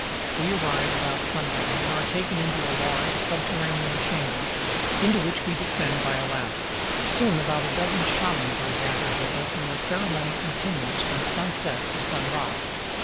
We arrive about sundown, and are taken into a large subterranean chamber, into which we descend by a ladder. Soon about a dozen Shamans are gathered with us, and the ceremony continues from sunset to sunrise.